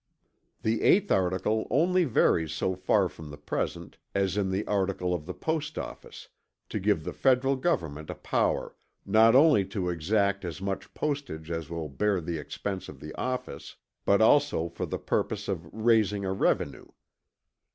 "The 8th article only varies so far from the present, as in the article of the Post Office, to give the Federal Government a power not only to exact as much postage as will bear the expense of the office, but also for the purpose of raising a revenue.